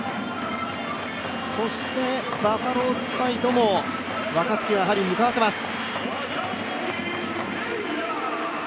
そして、バファローズサイドも若月、やはり向かわせます。